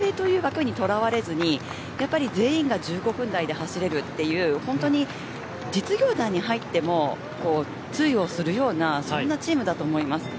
特に名城大学は学生という枠にとらわれずに全員が１５分台で走れるという本当に、実業団に入っても通用するようなそんなチームだと思います。